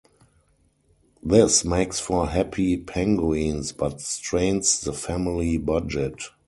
This makes for happy penguins, but strains the family budget.